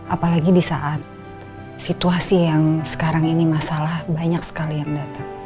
apalagi di saat situasi yang sekarang ini masalah banyak sekali yang datang